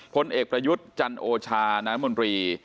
ผลเอกประยุทธ์จันโอชาน้ำมนตรี